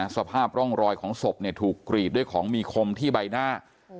สภาพร่องรอยของศพถูกกรีดด้วยของมีคมที่ใบหน้า